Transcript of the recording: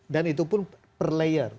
dan itu pun per layer